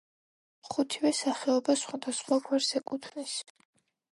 ხუთივე სახეობა სხვადასხვა გვარს ეკუთვნის.